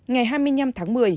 ngày hai mươi năm tháng một mươi